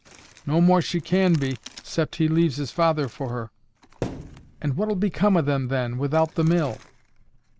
"No more she can be, 'cept he leaves his father for her." "And what'll become of them then, without the mill?"